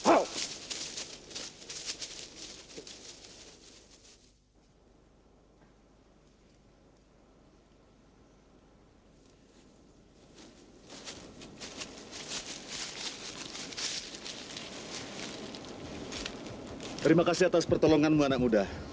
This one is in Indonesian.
wow terima kasih atas pertolonganmu anak muda